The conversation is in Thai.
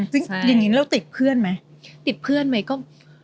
จริงแล้วติดเพื่อนไหมติดเพื่อนไหม